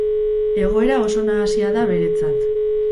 Egoera oso nahasia da beretzat.